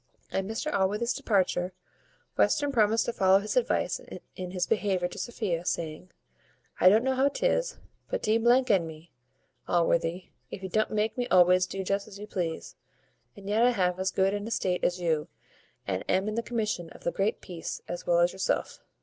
At Mr Allworthy's departure, Western promised to follow his advice in his behaviour to Sophia, saying, "I don't know how 'tis, but d n me, Allworthy, if you don't make me always do just as you please; and yet I have as good an estate as you, and am in the commission of the peace as well as yourself."